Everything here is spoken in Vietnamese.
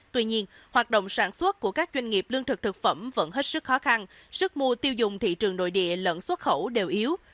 tuy nhiên hoạt động sản xuất của các doanh nghiệp lương thực thực phẩm vẫn hết sức khó khăn sức mua tiêu dùng thị trường nội địa lẫn xuất khẩu đều yếu